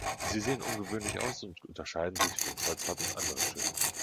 Sie sehen ungewöhnlich aus und unterscheiden sich von Kreuzfahrt- und anderen Schiffen.